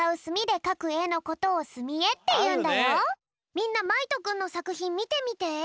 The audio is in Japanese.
みんなまいとくんのさくひんみてみて。